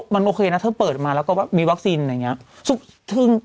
มันโอเคนะถ้าเปิดมาแล้วก็มีวัคซีนอะไรอย่างนี้